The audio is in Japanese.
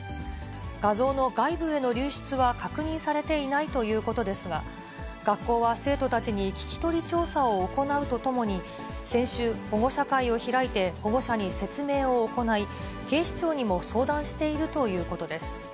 画像の外部への流出は確認されていないということですが、学校は生徒たちに聞き取り調査を行うとともに、先週、保護者会を開いて保護者に説明を行い、警視庁にも相談しているということです。